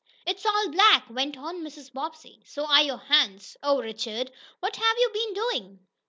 "It's all black!" went on Mrs. Bobbsey. "So are your hands. Oh, Richard! What have you been doing?"